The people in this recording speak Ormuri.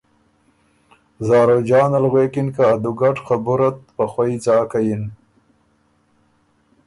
زاروجانه ل غوېکِن که ا دُوګډ خبُره ت په ځاکه یِن۔